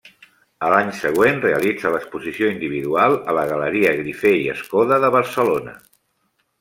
A l'any següent realitza l'exposició individual a la Galeria Grifé i Escoda de Barcelona.